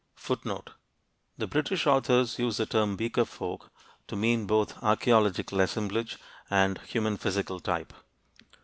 The British authors use the term "Beaker folk" to mean both archeological assemblage and human physical type.